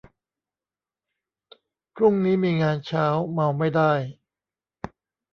พรุ่งนี้มีงานเช้า เมาไม่ได้